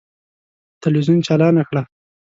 تلویزون چالانه کړه!